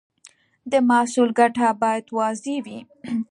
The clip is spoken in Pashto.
د محصول ګټه باید واضح وي.